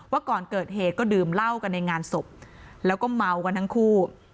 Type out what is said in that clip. ก่อนเกิดเหตุก็ดื่มเหล้ากันในงานศพแล้วก็เมากันทั้งคู่